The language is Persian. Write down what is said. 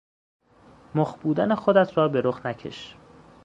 مخ بودن خودت را به رخ نکش